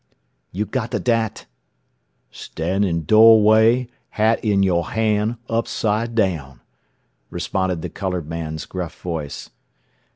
"You gotta dat?" "Stan' in doo'way, hat in yo' han', upside down," responded the colored man's gruff voice.